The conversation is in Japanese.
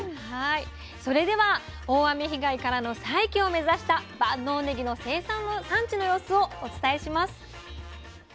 それでは大雨被害からの再起を目指した万能ねぎの生産産地の様子をお伝えします。